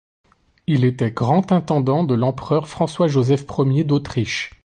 Il était Grand Intendant de l'empereur François-Joseph Ier d'Autrichee.